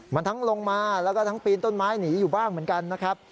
มันทั้งลงมาแล้วก็ทั้งปีนต้นไม้หนีอยู่บ้างเหมือนกันนะครับ